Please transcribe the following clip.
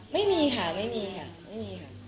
ไม่มีค่ะไม่มีค่ะไม่มีค่ะ